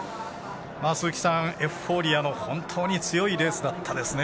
鈴木さん、エフフォーリアの本当に強いレースだったですね。